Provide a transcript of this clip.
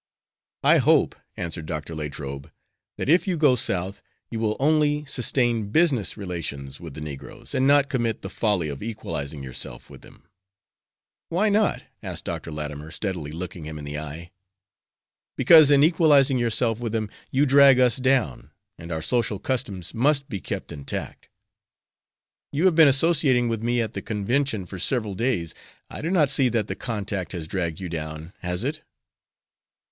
"I hope," answered Dr. Latrobe, "that if you go South you will only sustain business relations with the negroes, and not commit the folly of equalizing yourself with them." "Why not?" asked Dr. Latimer, steadily looking him in the eye. "Because in equalizing yourself with them you drag us down; and our social customs must be kept intact." "You have been associating with me at the convention for several days; I do not see that the contact has dragged you down, has it?"